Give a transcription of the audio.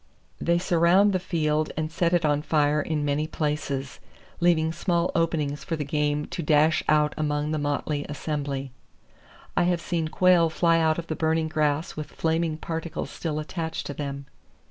They surround the field and set it on fire in many places, leaving small openings for the game to dash out among the motley assembly. I have seen quail fly out of the burning grass with flaming particles still attached to them.